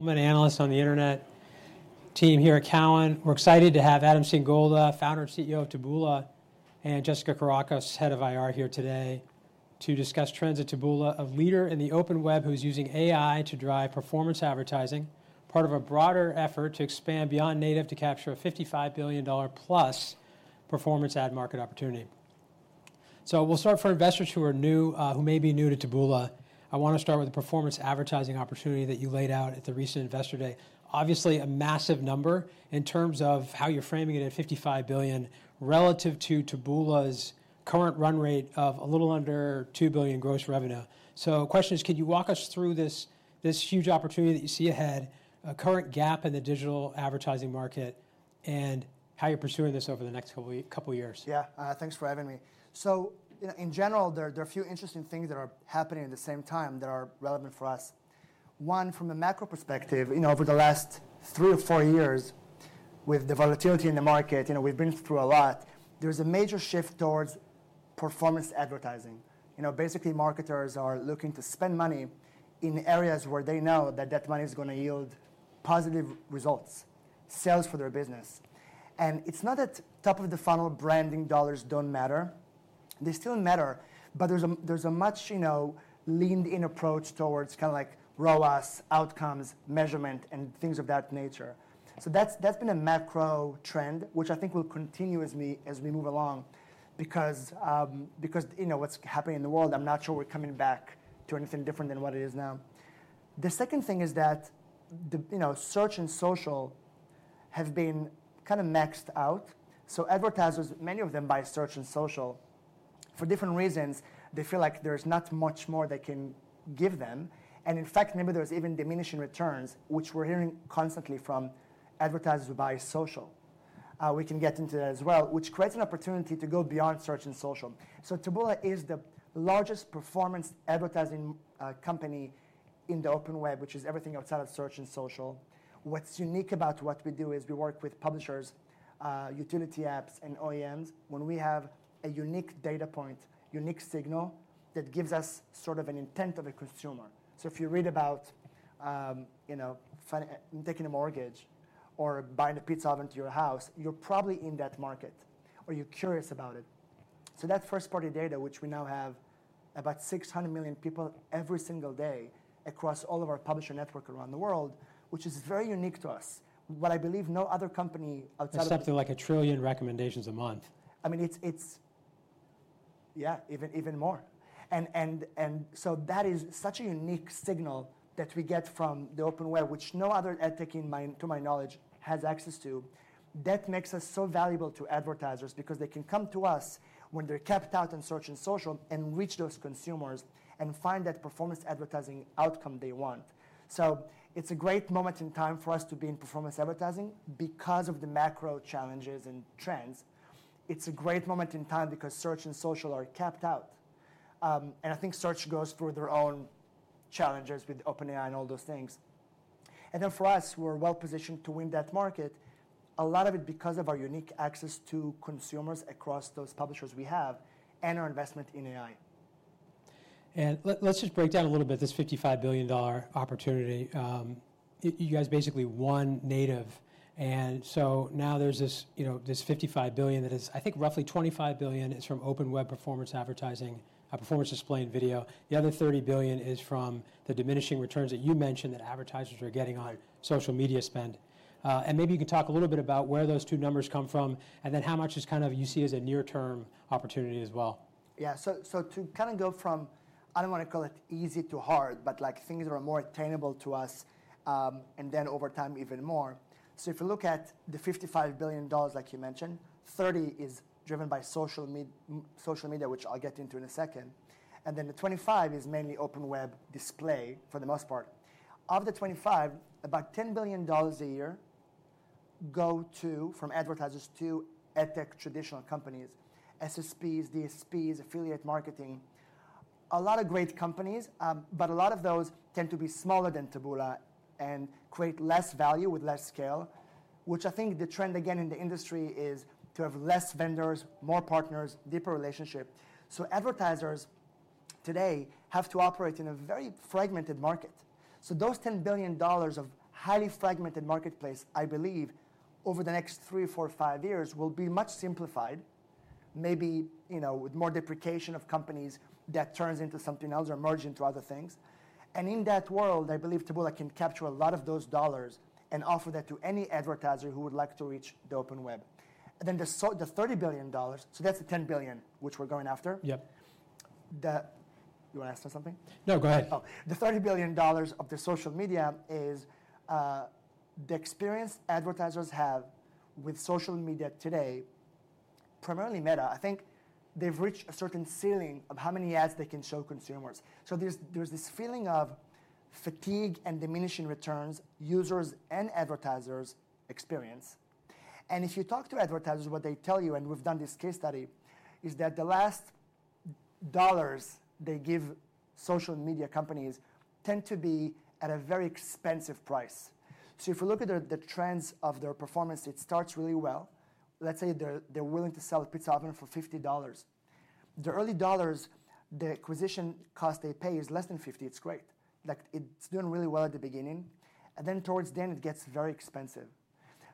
I'm an analyst on the Internet team here at Cowen. We're excited to have Adam Singolda, founder and CEO of Taboola, and Jessica Kourakos, Head of IR, here today to discuss trends at Taboola, a leader in the open web who's using AI to drive performance advertising, part of a broader effort to expand beyond native to capture a $55 billion+ performance ad market opportunity. For investors who are new, who may be new to Taboola, I want to start with the performance advertising opportunity that you laid out at the recent Investor Day. Obviously, a massive number in terms of how you're framing it at $55 billion relative to Taboola's current run rate of a little under $2 billion gross revenue. Could you walk us through this huge opportunity that you see ahead, a current gap in the digital advertising market, and how you're pursuing this over the next couple of years? Yeah, thanks for having me. In general, there are a few interesting things that are happening at the same time that are relevant for us. One, from a macro perspective, over the last three or four years, with the volatility in the market, we've been through a lot. There's a major shift towards performance advertising. Basically, marketers are looking to spend money in areas where they know that that money is going to yield positive results, sales for their business. It's not that top of the funnel branding dollars don't matter. They still matter, but there's a much leaned-in approach towards kind of like ROAS, outcomes, measurement, and things of that nature. That's been a macro trend, which I think will continue as we move along because what's happening in the world, I'm not sure we're coming back to anything different than what it is now. The second thing is that search and social have been kind of maxed out. Advertisers, many of them buy search and social for different reasons. They feel like there's not much more they can give them. In fact, maybe there's even diminishing returns, which we're hearing constantly from advertisers who buy social. We can get into that as well, which creates an opportunity to go beyond search and social. Taboola is the largest performance advertising company in the open web, which is everything outside of search and social. What's unique about what we do is we work with publishers, utility apps, and OEMs when we have a unique data point, unique signal that gives us sort of an intent of a consumer. If you read about taking a mortgage or buying a pizza oven to your house, you're probably in that market or you're curious about it. That first-party data, which we now have about 600 million people every single day across all of our publisher network around the world, which is very unique to us, what I believe no other company outside of. Something like a trillion recommendations a month. I mean, it's, yeah, even more. And so that is such a unique signal that we get from the open web, which no other ad tech to my knowledge has access to. That makes us so valuable to advertisers because they can come to us when they're capped out on search and social and reach those consumers and find that performance advertising outcome they want. It is a great moment in time for us to be in performance advertising because of the macro challenges and trends. It is a great moment in time because search and social are capped out. I think search goes through their own challenges with OpenAI and all those things. For us, we're well positioned to win that market, a lot of it because of our unique access to consumers across those publishers we have and our investment in AI. Let's just break down a little bit this $55 billion opportunity. You guys basically won native. Now there's this $55 billion that is, I think, roughly $25 billion is from open web performance advertising, performance display and video. The other $30 billion is from the diminishing returns that you mentioned that advertisers are getting on social media spend. Maybe you can talk a little bit about where those two numbers come from and then how much is kind of you see as a near-term opportunity as well. Yeah, so to kind of go from, I don't want to call it easy to hard, but things that are more attainable to us and then over time even more. If you look at the $55 billion, like you mentioned, $30 billion is driven by social media, which I'll get into in a second. The $25 billion is mainly open web display for the most part. Of the $25 billion, about $10 billion a year go to, from advertisers to adtech traditional companies, SSPs, DSPs, affiliate marketing. A lot of great companies, but a lot of those tend to be smaller than Taboola and create less value with less scale, which I think the trend again in the industry is to have less vendors, more partners, deeper relationship. Advertisers today have to operate in a very fragmented market. Those $10 billion of highly fragmented marketplace, I believe, over the next three, four, five years will be much simplified, maybe with more deprecation of companies that turns into something else or merge into other things. In that world, I believe Taboola can capture a lot of those dollars and offer that to any advertiser who would like to reach the open web. The $30 billion, so that's the $10 billion which we're going after. Yep. You want to ask us something? No, go ahead. The $30 billion of the social media is the experience advertisers have with social media today, primarily Meta. I think they've reached a certain ceiling of how many ads they can show consumers. There is this feeling of fatigue and diminishing returns users and advertisers experience. If you talk to advertisers, what they tell you, and we've done this case study, is that the last dollars they give social media companies tend to be at a very expensive price. If you look at the trends of their performance, it starts really well. Let's say they're willing to sell a pizza oven for $50. The early dollars, the acquisition cost they pay is less than $50. It's great. It's doing really well at the beginning. Towards the end, it gets very expensive.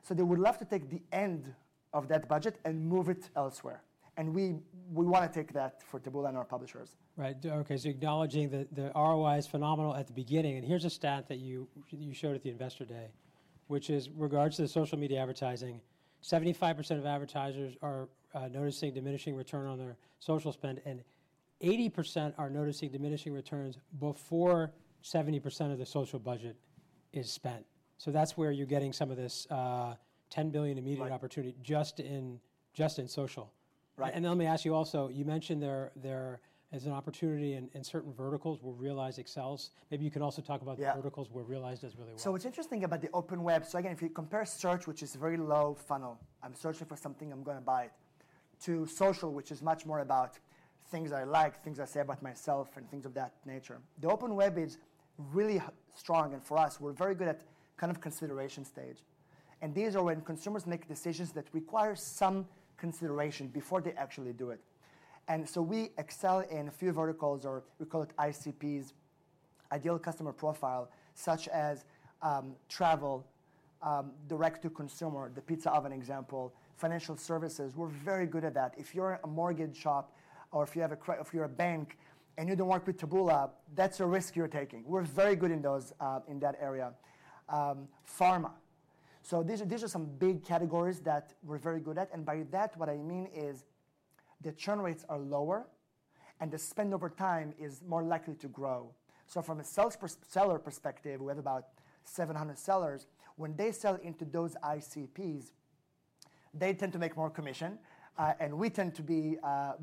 They would love to take the end of that budget and move it elsewhere. We want to take that for Taboola and our publishers. Right, OK, so acknowledging that the ROI is phenomenal at the beginning. Here's a stat that you showed at the Investor Day, which is regards to the social media advertising. 75% of advertisers are noticing diminishing return on their social spend, and 80% are noticing diminishing returns before 70% of the social budget is spent. That's where you're getting some of this $10 billion immediate opportunity just in social. Let me ask you also, you mentioned there is an opportunity in certain verticals where Realize excels. Maybe you can also talk about the verticals where Realize does really well. What's interesting about the open web, if you compare search, which is a very low funnel, I'm searching for something, I'm going to buy it, to social, which is much more about things I like, things I say about myself, and things of that nature. The open web is really strong. For us, we're very good at kind of consideration stage. These are when consumers make decisions that require some consideration before they actually do it. We excel in a few verticals, or we call it ICPs, ideal customer profile, such as travel, direct-to-consumer, the pizza oven example, financial services. We're very good at that. If you're a mortgage shop or if you're a bank and you don't work with Taboola, that's a risk you're taking. We're very good in that area. Pharma. These are some big categories that we're very good at. And by that, what I mean is the churn rates are lower and the spend over time is more likely to grow. From a seller perspective, we have about 700 sellers. When they sell into those ICPs, they tend to make more commission, and we tend to be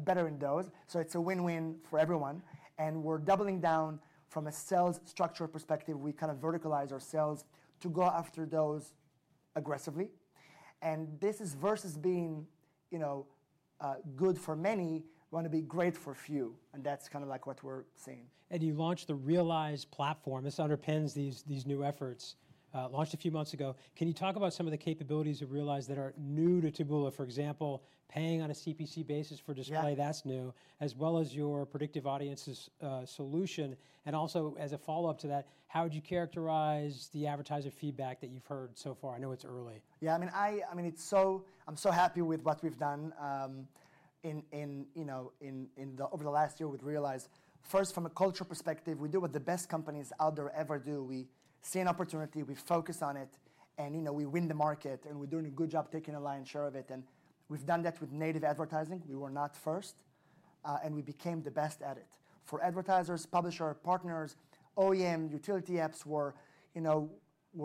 better in those. It's a win-win for everyone. We're doubling down from a sales structure perspective. We kind of verticalize our sales to go after those aggressively. This is versus being good for many, want to be great for a few. That's kind of like what we're seeing. You launched the Realize platform. This underpins these new efforts, launched a few months ago. Can you talk about some of the capabilities of Realize that are new to Taboola, for example, paying on a CPC basis for display? That is new, as well as your predictive audiences solution. Also, as a follow-up to that, how would you characterize the advertiser feedback that you have heard so far? I know it is early. Yeah, I mean, I'm so happy with what we've done over the last year with Realize. First, from a culture perspective, we do what the best companies out there ever do. We see an opportunity, we focus on it, and we win the market, and we're doing a good job taking a lion's share of it. We've done that with native advertising. We were not first, and we became the best at it. For advertisers, publisher partners, OEM, utility apps, we're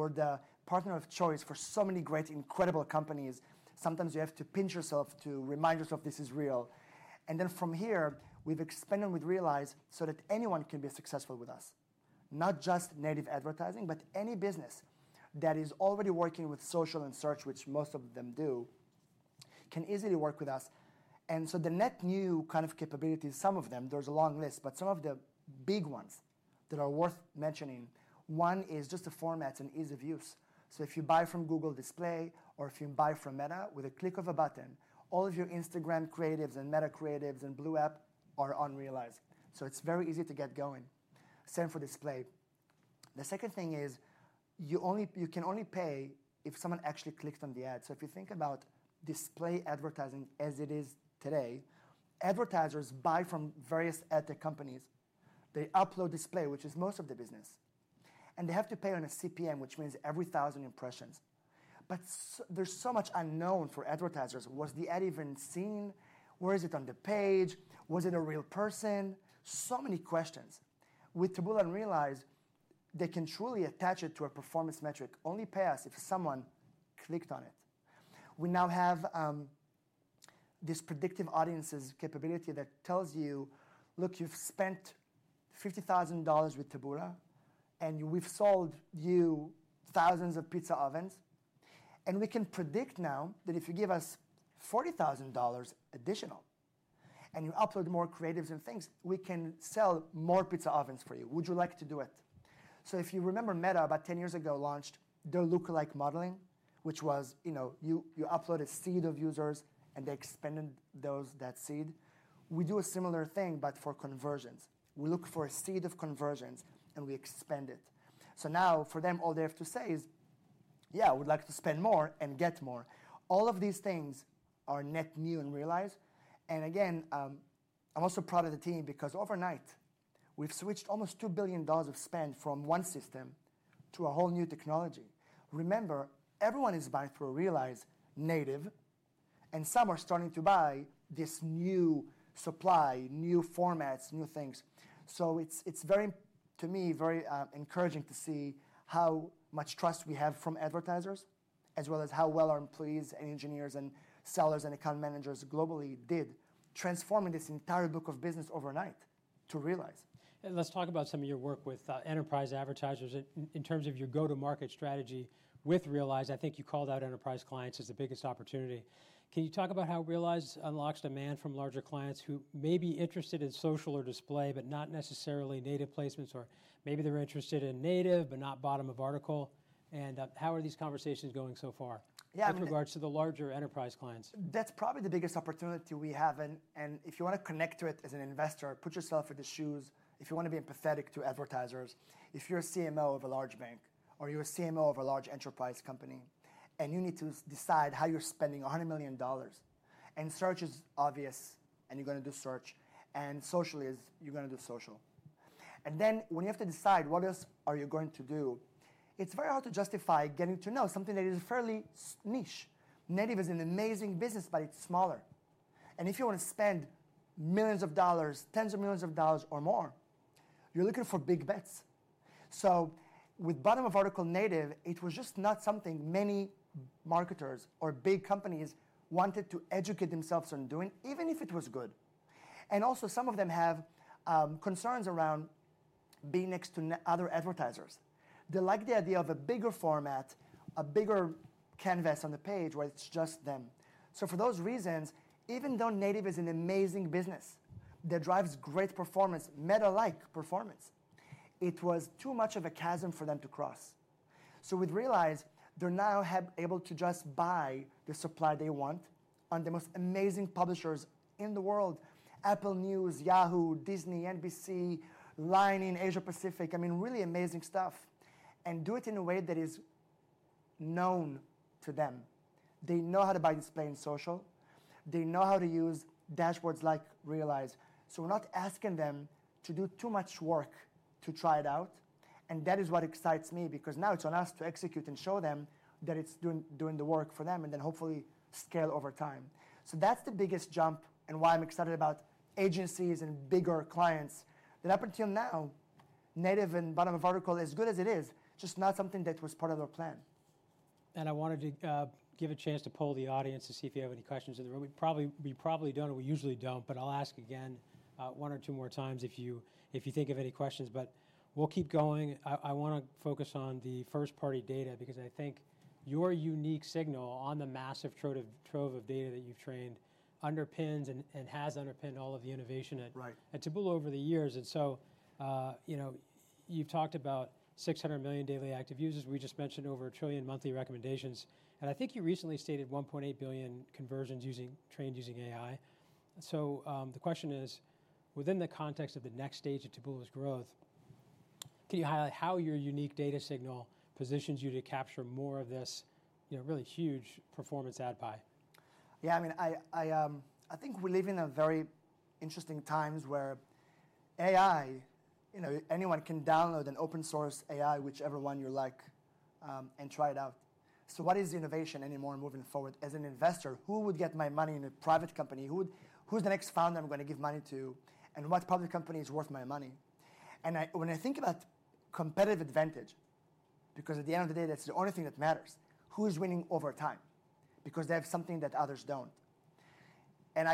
the partner of choice for so many great, incredible companies. Sometimes you have to pinch yourself to remind yourself this is real. From here, we've expanded with Realize so that anyone can be successful with us, not just native advertising, but any business that is already working with social and search, which most of them do, can easily work with us. The net new kind of capabilities, some of them, there's a long list, but some of the big ones that are worth mentioning, one is just the formats and ease of use. If you buy from Google Display or if you buy from Meta, with a click of a button, all of your Instagram creatives and Meta creatives and Blue App are on Realize. It is very easy to get going. Same for Display. The second thing is you can only pay if someone actually clicked on the ad. If you think about Display advertising as it is today, advertisers buy from various adtech companies. They upload Display, which is most of the business. They have to pay on a CPM, which means every 1,000 impressions. There is so much unknown for advertisers. Was the ad even seen? Where is it on the page? Was it a real person? So many questions. With Taboola and Realize, they can truly attach it to a performance metric, only pass if someone clicked on it. We now have this predictive audiences capability that tells you, look, you have spent $50,000 with Taboola and we have sold you thousands of pizza ovens. And we can predict now that if you give us $40,000 additional and you upload more creatives and things, we can sell more pizza ovens for you. Would you like to do it? If you remember Meta, about 10 years ago, launched their lookalike modeling, which was you upload a seed of users and they expanded that seed. We do a similar thing, but for conversions. We look for a seed of conversions and we expand it. Now for them, all they have to say is, yeah, we would like to spend more and get more. All of these things are net new in Realize. Again, I'm also proud of the team because overnight, we've switched almost $2 billion of spend from one system to a whole new technology. Remember, everyone is buying through Realize native, and some are starting to buy this new supply, new formats, new things. It is, to me, very encouraging to see how much trust we have from advertisers, as well as how well our employees and engineers and sellers and account managers globally did transform this entire book of business overnight to Realize. Let's talk about some of your work with enterprise advertisers in terms of your go-to-market strategy with Realize. I think you called out enterprise clients as the biggest opportunity. Can you talk about how Realize unlocks demand from larger clients who may be interested in social or display, but not necessarily native placements? Or maybe they're interested in native, but not bottom of article? How are these conversations going so far with regards to the larger enterprise clients? That's probably the biggest opportunity we have. If you want to connect to it as an investor, put yourself in the shoes. If you want to be empathetic to advertisers, if you're a CMO of a large bank or you're a CMO of a large enterprise company and you need to decide how you're spending $100 million, search is obvious and you're going to do search, and socially is you're going to do social. When you have to decide what else are you going to do, it's very hard to justify getting to know something that is fairly niche. Native is an amazing business, but it's smaller. If you want to spend millions of dollars, tens of millions of dollars or more, you're looking for big bets. With bottom of article native, it was just not something many marketers or big companies wanted to educate themselves on doing, even if it was good. Also, some of them have concerns around being next to other advertisers. They like the idea of a bigger format, a bigger canvas on the page where it's just them. For those reasons, even though native is an amazing business that drives great performance, Meta-like performance, it was too much of a chasm for them to cross. With Realize, they're now able to just buy the supply they want on the most amazing publishers in the world, Apple News, Yahoo, Disney, NBC, Lionsgate, Asia Pacific, I mean, really amazing stuff, and do it in a way that is known to them. They know how to buy display and social. They know how to use dashboards like Realize. We're not asking them to do too much work to try it out. That is what excites me because now it's on us to execute and show them that it's doing the work for them and then hopefully scale over time. That's the biggest jump and why I'm excited about agencies and bigger clients that up until now, native and bottom of article as good as it is, just not something that was part of their plan. I wanted to give a chance to poll the audience to see if you have any questions in the room. We probably don't, and we usually don't, but I'll ask again one or two more times if you think of any questions. We'll keep going. I want to focus on the first-party data because I think your unique signal on the massive trove of data that you've trained underpins and has underpinned all of the innovation at Taboola over the years. You've talked about 600 million daily active users. We just mentioned over a trillion monthly recommendations. I think you recently stated 1.8 billion conversions trained using AI. The question is, within the context of the next stage of Taboola's growth, can you highlight how your unique data signal positions you to capture more of this really huge performance ad buy? Yeah, I mean, I think we live in very interesting times where AI, anyone can download an open-source AI, whichever one you like, and try it out. What is innovation anymore moving forward? As an investor, who would get my money in a private company? Who's the next founder I'm going to give money to? What public company is worth my money? When I think about competitive advantage, because at the end of the day, that's the only thing that matters, who is winning over time? Because they have something that others don't.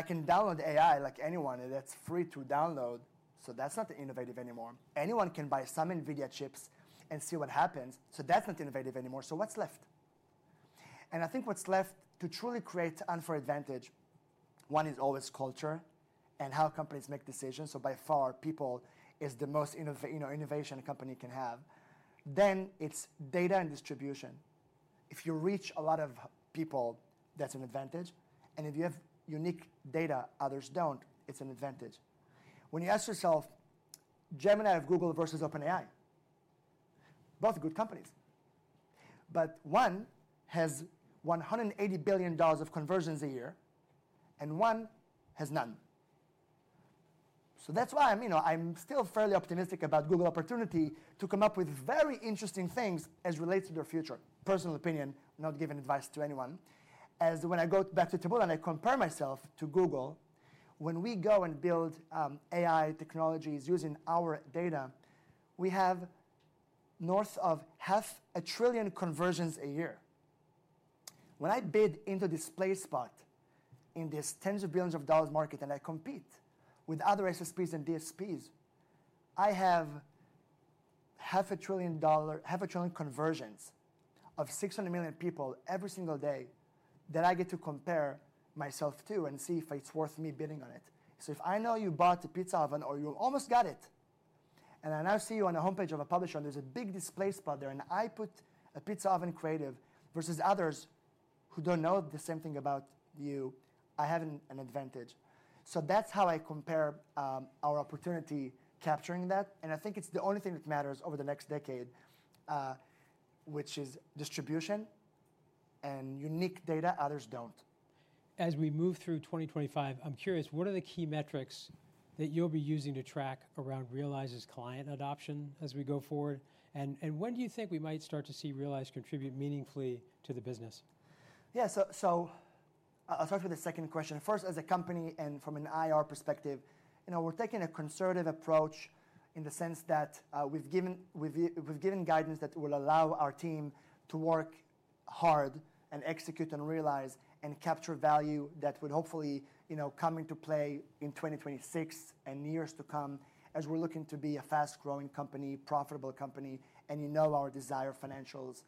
I can download AI like anyone that's free to download. That's not innovative anymore. Anyone can buy some NVIDIA chips and see what happens. That's not innovative anymore. What's left? I think what's left to truly create unfair advantage, one is always culture and how companies make decisions. By far, people is the most innovation a company can have. Then it's data and distribution. If you reach a lot of people, that's an advantage. If you have unique data others don't, it's an advantage. When you ask yourself, Gemini of Google versus OpenAI, both good companies. One has $180 billion of conversions a year, and one has none. That's why I'm still fairly optimistic about Google opportunity to come up with very interesting things as relates to their future. Personal opinion, not giving advice to anyone. As when I go back to Taboola and I compare myself to Google, when we go and build AI technologies using our data, we have north of $500,000,000,000 conversions a year. When I bid into DisplaySpot in this tens of billions of dollars market and I compete with other SSPs and DSPs, I have half a trillion conversions of 600 million people every single day that I get to compare myself to and see if it's worth me bidding on it. If I know you bought a pizza oven or you almost got it, and I now see you on the homepage of a publisher, and there's a big display spot there, and I put a pizza oven creative versus others who don't know the same thing about you, I have an advantage. That's how I compare our opportunity capturing that. I think it's the only thing that matters over the next decade, which is distribution and unique data others don't. As we move through 2025, I'm curious, what are the key metrics that you'll be using to track around Realize's client adoption as we go forward? When do you think we might start to see Realize contribute meaningfully to the business? Yeah, so I'll start with the second question. First, as a company and from an IR perspective, we're taking a conservative approach in the sense that we've given guidance that will allow our team to work hard and execute on Realize and capture value that would hopefully come into play in 2026 and years to come as we're looking to be a fast-growing company, profitable company, and you know our desire financials.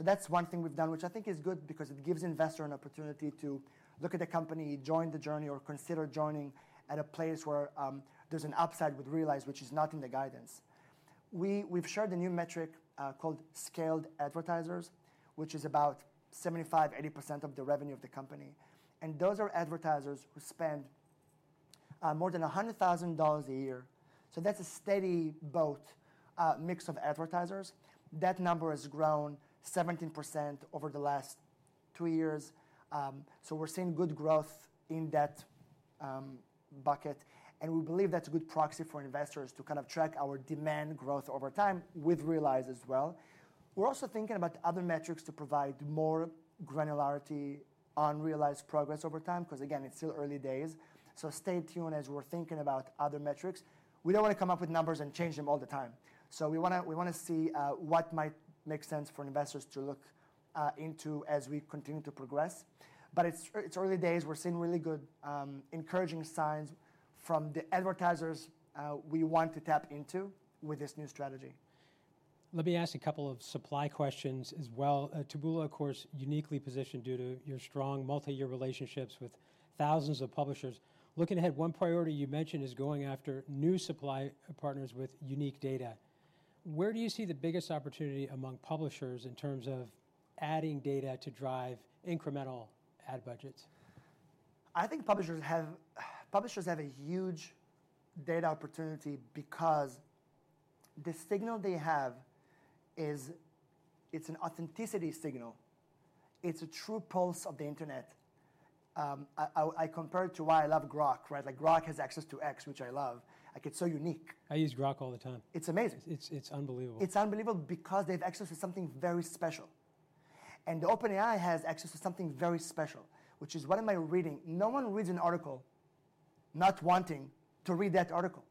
That's one thing we've done, which I think is good because it gives investors an opportunity to look at the company, join the journey, or consider joining at a place where there's an upside with Realize, which is not in the guidance. We've shared a new metric called scaled advertisers, which is about 75%-80% of the revenue of the company. Those are advertisers who spend more than $100,000 a year. That's a steady boat mix of advertisers. That number has grown 17% over the last two years. We're seeing good growth in that bucket. We believe that's a good proxy for investors to kind of track our demand growth over time with Realize as well. We're also thinking about other metrics to provide more granularity on Realize progress over time because, again, it's still early days. Stay tuned as we're thinking about other metrics. We don't want to come up with numbers and change them all the time. We want to see what might make sense for investors to look into as we continue to progress. It's early days. We're seeing really good encouraging signs from the advertisers we want to tap into with this new strategy. Let me ask a couple of supply questions as well. Taboola, of course, uniquely positioned due to your strong multi-year relationships with thousands of publishers. Looking ahead, one priority you mentioned is going after new supply partners with unique data. Where do you see the biggest opportunity among publishers in terms of adding data to drive incremental ad budgets? I think publishers have a huge data opportunity because the signal they have is it's an authenticity signal. It's a true pulse of the internet. I compare it to why I love Grok, right? Grok has access to X, which I love. It's so unique. I use Grok all the time. It's amazing. It's unbelievable. It's unbelievable because they have access to something very special. OpenAI has access to something very special, which is what am I reading? No one reads an article not wanting to read that article.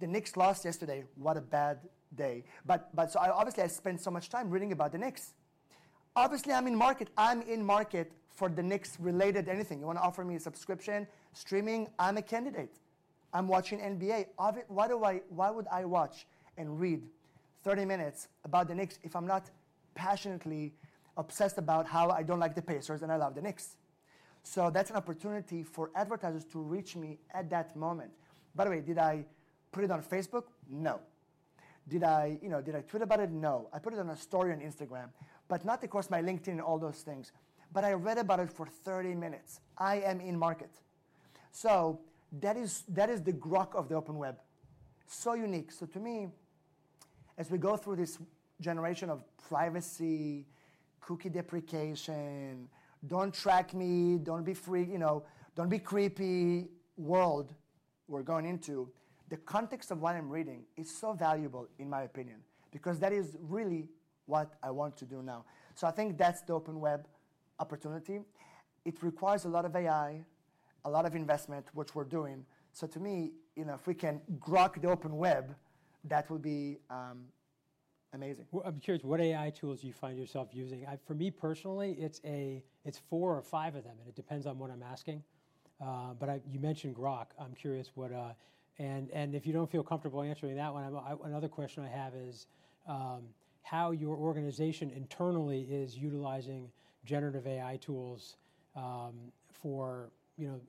The Knicks lost yesterday. What a bad day. Obviously, I spent so much time reading about the Knicks. Obviously, I'm in market. I'm in market for the Knicks related to anything. You want to offer me a subscription, streaming? I'm a candidate. I'm watching NBA. Why would I watch and read 30 minutes about the Knicks if I'm not passionately obsessed about how I don't like the Pacers and I love the Knicks? That's an opportunity for advertisers to reach me at that moment. By the way, did I put it on Facebook? No. Did I tweet about it? No. I put it on a story on Instagram, but not across my LinkedIn and all those things. I read about it for 30 minutes. I am in market. That is the Grok of the open web. So unique. To me, as we go through this generation of privacy, cookie deprecation, don't track me, don't be creepy world we're going into, the context of what I'm reading is so valuable, in my opinion, because that is really what I want to do now. I think that's the open web opportunity. It requires a lot of AI, a lot of investment, which we're doing. To me, if we can Grok the open web, that would be amazing. I'm curious what AI tools you find yourself using. For me personally, it's four or five of them, and it depends on what I'm asking. You mentioned Grok. I'm curious what, and if you don't feel comfortable answering that one, another question I have is how your organization internally is utilizing generative AI tools for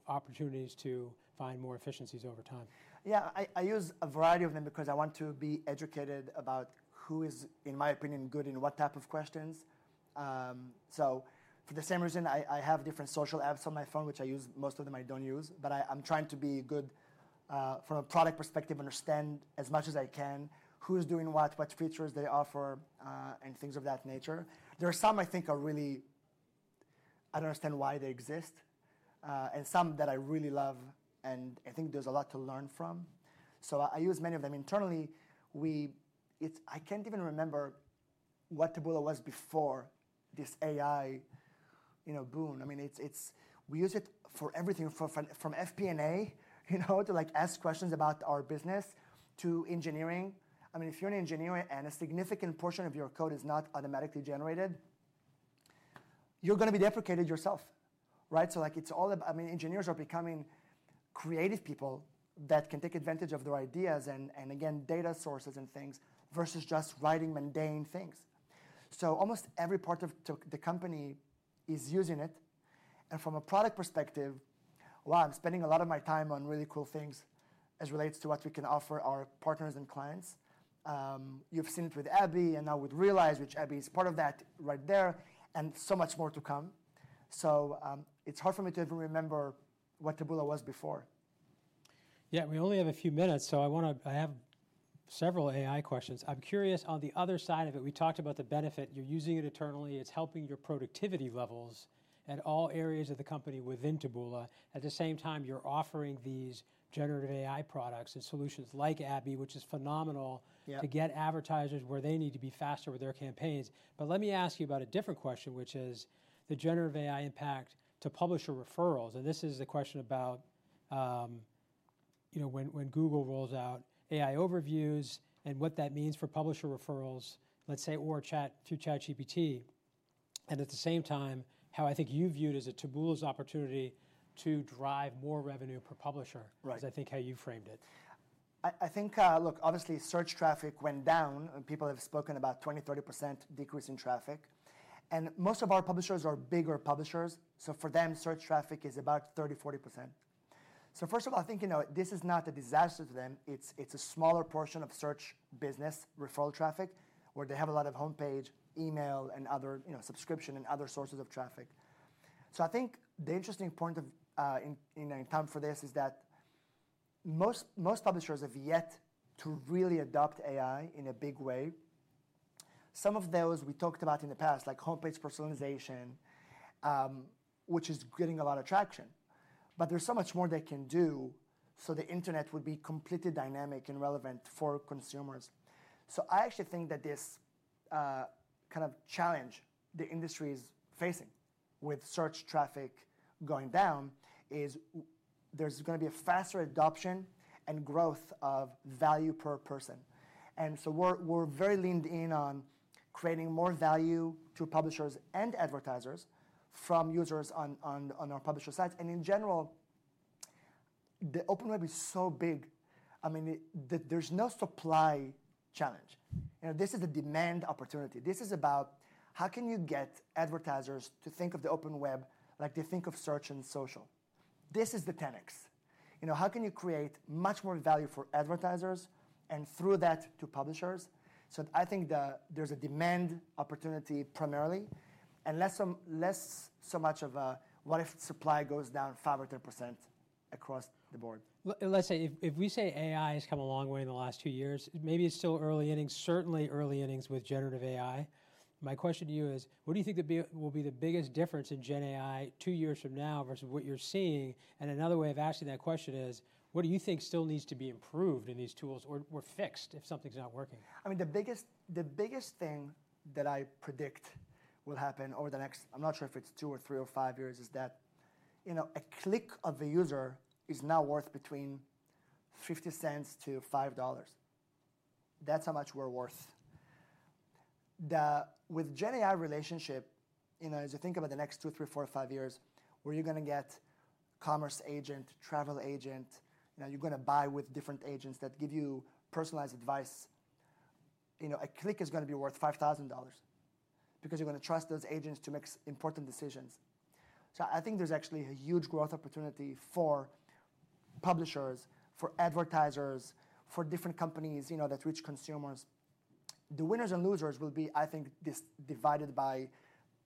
opportunities to find more efficiencies over time. Yeah, I use a variety of them because I want to be educated about who is, in my opinion, good in what type of questions. For the same reason, I have different social apps on my phone, which I use. Most of them I don't use, but I'm trying to be good from a product perspective, understand as much as I can who is doing what, what features they offer, and things of that nature. There are some I think are really, I don't understand why they exist, and some that I really love, and I think there's a lot to learn from. I use many of them. Internally, I can't even remember what Taboola was before this AI boom. I mean, we use it for everything from FP&A to ask questions about our business to engineering. I mean, if you're an engineer and a significant portion of your code is not automatically generated, you're going to be deprecated yourself, right? It's all about, I mean, engineers are becoming creative people that can take advantage of their ideas and, again, data sources and things versus just writing mundane things. Almost every part of the company is using it. From a product perspective, wow, I'm spending a lot of my time on really cool things as relates to what we can offer our partners and clients. You've seen it with Abby and now with Realize, which Abby is part of that right there, and so much more to come. It's hard for me to even remember what Taboola was before. Yeah, we only have a few minutes, so I have several AI questions. I'm curious on the other side of it. We talked about the benefit. You're using it internally. It's helping your productivity levels at all areas of the company within Taboola. At the same time, you're offering these generative AI products and solutions like Abby, which is phenomenal to get advertisers where they need to be faster with their campaigns. Let me ask you about a different question, which is the generative AI impact to publisher referrals. This is the question about when Google rolls out AI overviews and what that means for publisher referrals, let's say, or through ChatGPT. At the same time, how I think you view it as a Taboola's opportunity to drive more revenue per publisher is I think how you framed it. I think, look, obviously, search traffic went down. People have spoken about a 20%-30% decrease in traffic. And most of our publishers are bigger publishers. So for them, search traffic is about 30%-40%. So first of all, I think this is not a disaster to them. It's a smaller portion of search business referral traffic where they have a lot of homepage, email, and other subscription and other sources of traffic. I think the interesting point in time for this is that most publishers have yet to really adopt AI in a big way. Some of those we talked about in the past, like homepage personalization, which is getting a lot of traction. But there's so much more they can do so the internet would be completely dynamic and relevant for consumers. I actually think that this kind of challenge the industry is facing with search traffic going down is there's going to be a faster adoption and growth of value per person. And we're very leaned in on creating more value to publishers and advertisers from users on our publisher sites. In general, the open web is so big. I mean, there's no supply challenge. This is a demand opportunity. This is about how can you get advertisers to think of the open web like they think of search and social. This is the 10x. How can you create much more value for advertisers and through that to publishers? I think there's a demand opportunity primarily, and less so much of what if supply goes down 5% or 10% across the board. Let's say if we say AI has come a long way in the last two years, maybe it's still early innings, certainly early innings with generative AI. My question to you is, what do you think will be the biggest difference in Gen AI two years from now versus what you're seeing? Another way of asking that question is, what do you think still needs to be improved in these tools or fixed if something's not working? I mean, the biggest thing that I predict will happen over the next, I'm not sure if it's two or three or five years, is that a click of a user is now worth between $0.50-$5. That's how much we're worth. With Gen AI relationship, as you think about the next two, three, four, five years, where you're going to get commerce agent, travel agent, you're going to buy with different agents that give you personalized advice, a click is going to be worth $5,000 because you're going to trust those agents to make important decisions. I think there's actually a huge growth opportunity for publishers, for advertisers, for different companies that reach consumers. The winners and losers will be, I think, divided by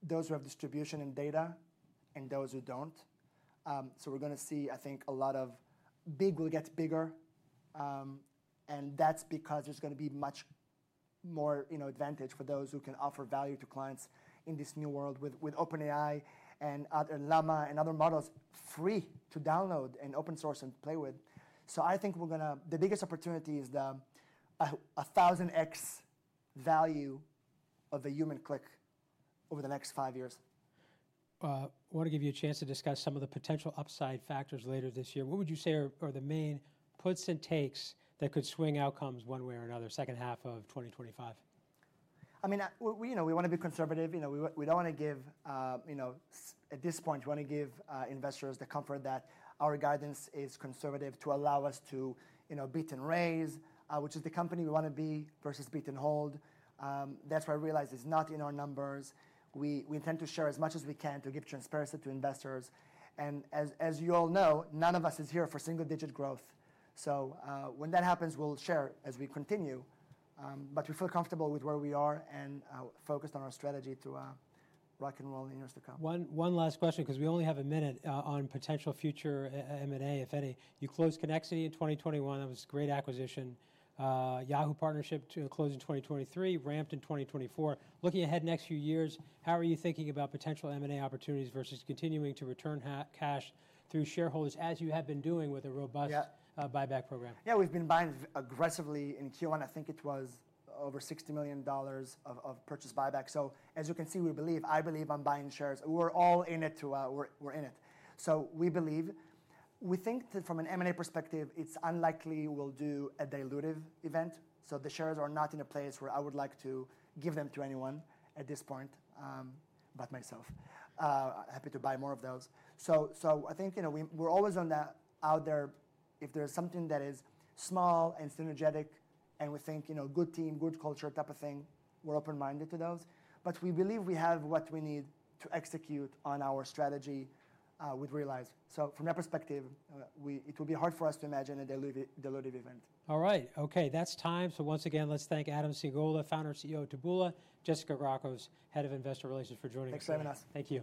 those who have distribution and data and those who don't. We're going to see, I think, a lot of big will get bigger. That's because there's going to be much more advantage for those who can offer value to clients in this new world with OpenAI and Llama and other models free to download and open source and play with. I think we're going to the biggest opportunity is the 1,000x value of a human click over the next five years. I want to give you a chance to discuss some of the potential upside factors later this year. What would you say are the main puts and takes that could swing outcomes one way or another second half of 2025? I mean, we want to be conservative. We do not want to give at this point, we want to give investors the comfort that our guidance is conservative to allow us to beat and raise, which is the company we want to be versus beat and hold. That is why Realize is not in our numbers. We intend to share as much as we can to give transparency to investors. As you all know, none of us is here for single-digit growth. When that happens, we will share as we continue. We feel comfortable with where we are and focused on our strategy through Rock and Roll in years to come. One last question because we only have a minute on potential future M&A, if any. You closed Connexity in 2021. That was a great acquisition. Yahoo partnership closed in 2023, ramped in 2024. Looking ahead next few years, how are you thinking about potential M&A opportunities versus continuing to return cash through shareholders as you have been doing with a robust buyback program? Yeah, we've been buying aggressively in Q1. I think it was over $60 million of purchase buyback. As you can see, we believe I believe I'm buying shares. We're all in it too, we're in it. We believe we think from an M&A perspective, it's unlikely we'll do a dilutive event. The shares are not in a place where I would like to give them to anyone at this point but myself. Happy to buy more of those. I think we're always on the out there. If there's something that is small and synergetic and we think good team, good culture type of thing, we're open-minded to those. We believe we have what we need to execute on our strategy with Realize. From that perspective, it will be hard for us to imagine a dilutive event. All right. OK, that's time. So once again, let's thank Adam Singolda, founder and CEO of Taboola. Jessica Kourakos, head of investor relations, for joining us. Thanks for having us. Thank you.